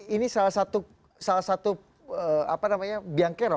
ini salah satu salah satu apa namanya biangkerok